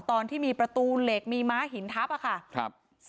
ตอนที่มีประตูเหล็กมีม้าหินทับค่ะ